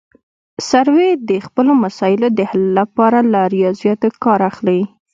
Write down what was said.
سروې د خپلو مسایلو د حل لپاره له ریاضیاتو کار اخلي